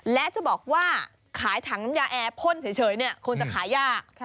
และจะบอกว่าขายถังน้ำยาแอร์พ่นเฉยคงจะขายยาก